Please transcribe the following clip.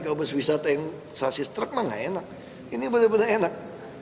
kalau bus wisata yang sasis truk mana enak ini benar benar enak